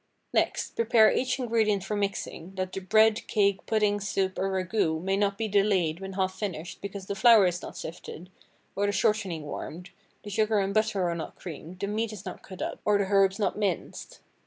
Next, prepare each ingredient for mixing, that the bread, cake, pudding, soup, or ragoût may not be delayed when half finished because the flour is not sifted, or the "shortening" warmed, the sugar and butter are not creamed, the meat not cut up, or the herbs not minced.